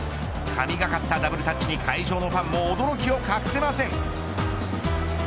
神がかったダブルタッチに会場のファンも驚きを隠せません。